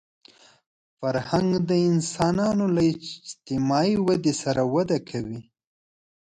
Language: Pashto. فرهنګ د انسانانو له اجتماعي ودې سره وده کوي